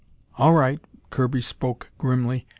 "All right," Kirby spoke grimly.